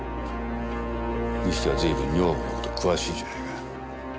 にしては随分女房の事詳しいじゃないか。